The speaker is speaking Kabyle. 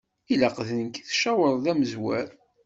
Ilaq d nekk i tcawṛeḍ d amezwar.